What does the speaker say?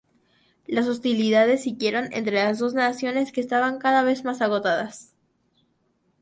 Las hostilidades siguieron entre las dos naciones, que estaban cada vez más agotadas.